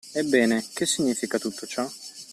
Ebbene, che significa tutto ciò?